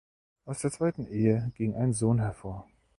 Aus der zweiten Ehe ging ein Sohn hervor.